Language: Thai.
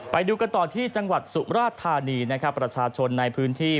ไปดูกันต่อที่จังหวัดสุมราชธานีนะครับประชาชนในพื้นที่